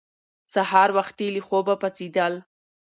سهار وختي له خوبه پاڅېدل